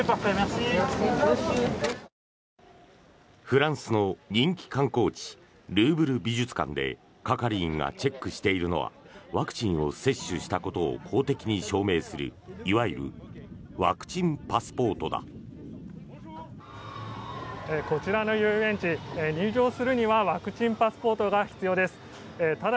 フランスの人気観光地ルーブル美術館で係員がチェックしているのはワクチンを接種したことを公的に証明するいわゆるワクチンパスポートだ。